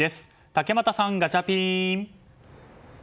竹俣さん、ガチャピン。